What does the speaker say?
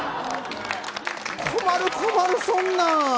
困る困る、そんなん。